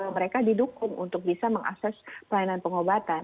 mereka didukung untuk bisa mengakses pelayanan pengobatan